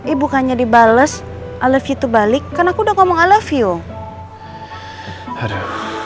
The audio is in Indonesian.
ibu kan jadi bales i love you to balik kan aku udah ngomong i love you